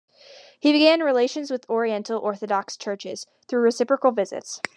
He began relations with Oriental Orthodox churches, through reciprocal visits.